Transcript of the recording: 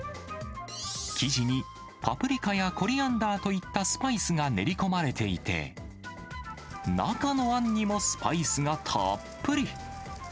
生地にパプリカやコリアンダーといったスパイスが練り込まれていて、中のあんにもスパイスがたっぷり。